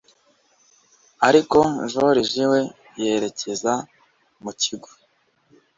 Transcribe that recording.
ariko jorije we yerekeza mukigo